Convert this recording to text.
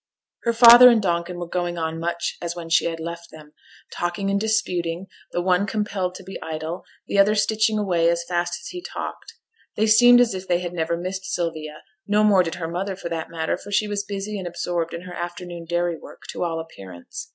Her father and Donkin were going on much as when she had left them; talking and disputing, the one compelled to be idle, the other stitching away as fast as he talked. They seemed as if they had never missed Sylvia; no more did her mother for that matter, for she was busy and absorbed in her afternoon dairy work to all appearance.